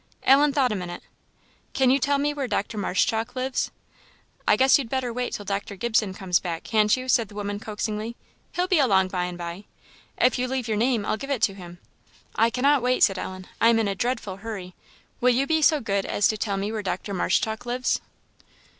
Ellen thought a minute. "Can you tell me where Dr. Marshchalk lives?" "I guess you'd better wait till Dr. Gibson comes back, han't you?" said the woman coaxingly; "he'll be along by and by. If you'll leave your name I'll give it to him." "I cannot wait," said Ellen, "I am in a dreadful hurry. Will you be so good as to tell me where Dr. Marshchalk lives?"